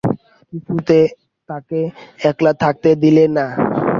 কিছুতে তাকে একলা থাকতে দিলে না।